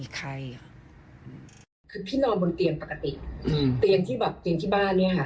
คือพี่นอนบนเตียงปกติเตียงที่บ้านเนี่ยค่ะ